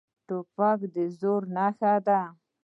توپک د زور نښه ده.